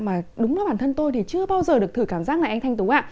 mà đúng là bản thân tôi thì chưa bao giờ được thử cảm giác này anh thanh tú ạ